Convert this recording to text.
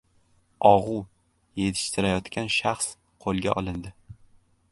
«Og‘u» yetishtirayotgan shaxs qo‘lga olindi